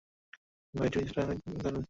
বাইজু ড্রিংসটা অনেক দারুন খেতে।